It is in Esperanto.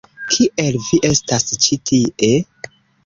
Kiel vi estas ĉi tie?